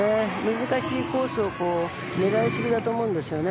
難しいコースを狙い過ぎだと思うんですよね。